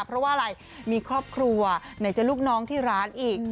เพราะว่าอะไรมีครอบครัวไหนจะลูกน้องที่ร้านอีก